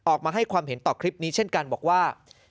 ออกมาให้ความเห็นต่อคลิปนี้เช่นกันบอกว่า